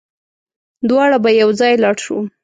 دواړه به يوځای لاړ شو